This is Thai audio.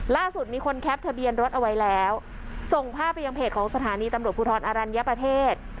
ล่าสุดมีคนแคปทะเบียนรถเอาไว้แล้วส่งภาพไปยังเพจของสถานีตำรวจภูทรอรัญญประเทศ